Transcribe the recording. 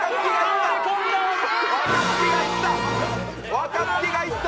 若槻がいった！